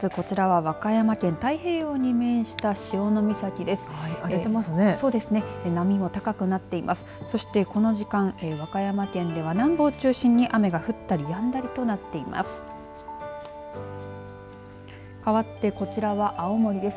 そして、この時間和歌山県では南部を中心に雨が降ったりやんだりとなっています。